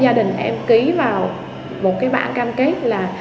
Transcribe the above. gia đình em ký vào một cái bạn cam kết là